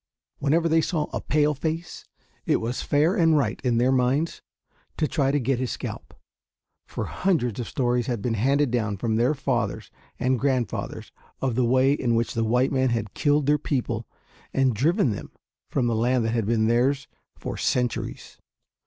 Whenever they saw a "pale face" it was fair and right in their minds to try to get his scalp; for hundreds of stories had been handed down from their fathers and grandfathers of the way in which the white man had killed their people and driven them from the land that had been theirs for centuries.